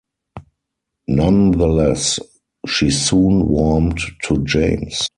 Nonetheless, she soon warmed to James.